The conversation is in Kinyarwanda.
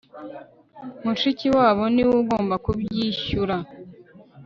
Mushikiwabo niwe ugomba kubyishyura